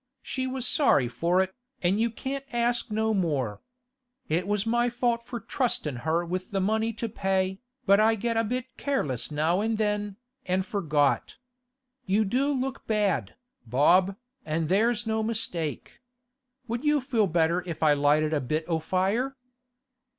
'She was sorry for it, an' you can't ask no more. It was my fault for trustin' her with the money to pay, but I get a bit careless now an' then, an' forgot. You do look bad, Bob, an' there's no mistake. Would you feel better if I lighted a bit o' fire?